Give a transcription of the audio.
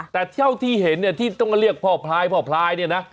แต่เท่าที่เห็นเนี่ยที่ต้องเรียกพ่อพลายพ่อพลายเนี่ยนะ